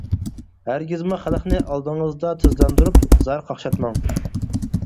ھەرگىزمۇ خەلقنى ئالدىڭىزدا تىزلاندۇرۇپ، زار قاقشاتماڭ.